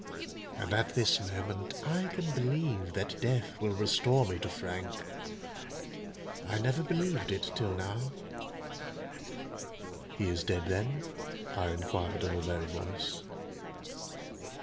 And at this moment I can believe that death will restore me to Frank. I never believed it till now." "He is dead, then?" I inquired in a low voice.